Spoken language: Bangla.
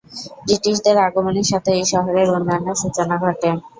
ব্রিটিশদের আগমনের সাথে এই শহরের উন্নয়নের সূচনা ঘটে।